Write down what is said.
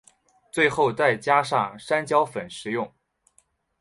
最后再加上山椒粉食用。